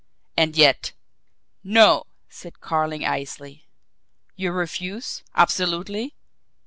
"And yet " "NO!" said Carling icily. "You refuse absolutely?"